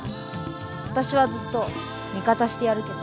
私はずっと味方してやるけどさ。